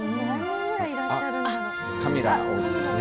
カミラ王妃ですね。